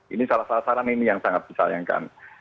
ini salah sasaran ini yang sangat disayangkan